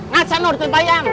ngasan udah ditempa yang